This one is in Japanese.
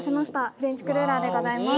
フレンチクルーラーでございます。